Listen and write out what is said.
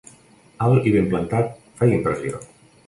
Alt i ben plantat, feia impressió.